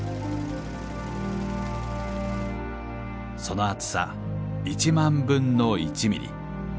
その厚さ１万分の１ミリ。